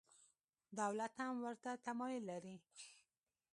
دولت هم ورته تمایل لري.